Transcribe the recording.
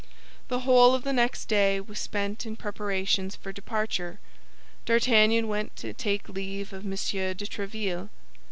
The whole of the next day was spent in preparations for departure. D'Artagnan went to take leave of M. de Tréville.